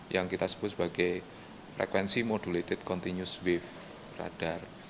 yang kita sebut sebagai frekuensi modulated continuous wave radar